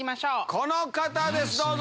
この方ですどうぞ！